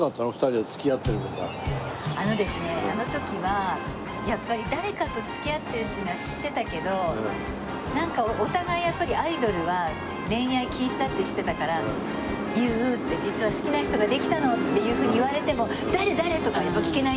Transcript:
あのですねあの時はやっぱり誰かと付き合ってるっていうのは知ってたけどなんかお互いアイドルは恋愛禁止だって知ってたから「優実は好きな人ができたの」っていうふうに言われても「誰？誰？」とかは聞けないんですよ。